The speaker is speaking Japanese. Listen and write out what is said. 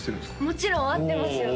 もちろん会ってますよ